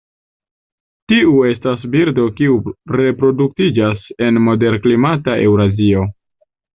Tiu estas birdo kiu reproduktiĝas en moderklimata Eŭrazio.